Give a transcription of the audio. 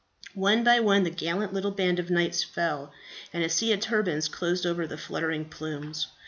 One by one the gallant little band of knights fell, and a sea of turbans closed over the fluttering plumes.